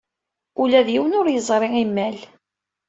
Ula d yiwen ur yeẓri imal.